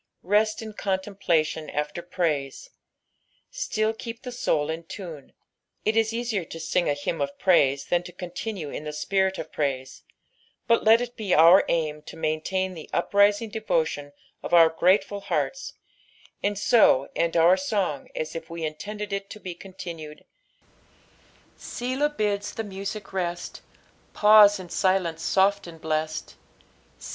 Rest in contemplBtion tS\a praise. Still keep the soul in tune. It is easier to sing a h^mn of praise Ibu to continue in the spirit of praise, but let it be our aim to maintain the uprisiDg devotion of our grUeful heatta, and so end our son^f as if we intended it to M contiiined, 6b^b bids the mOBie rest, Psueo In ailence loft and blest ; BU.